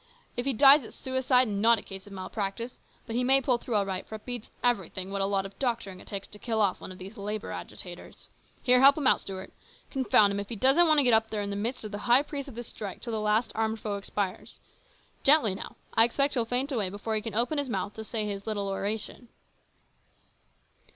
If he dies, it's suicide, and not a case of malpractice ; but he may pull through all right, for it beats everything what a lot of doctoring it takes to kill off one of these labour agitators. Here, help him out, Stuart. Confound him, if he doesn't want to get up there in the midst of the high priests of this strike till the last armed foe expires ! Gently now ! I expect he'll faint away before he can open his mouth to say his little oration